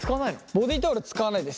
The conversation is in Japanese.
ボディータオル使わないです。